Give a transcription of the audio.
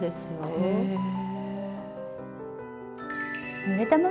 へえ。